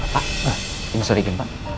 pak maafin pak